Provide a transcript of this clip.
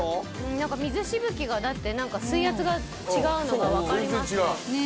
何か水しぶきがだって何か水圧が違うのが分かります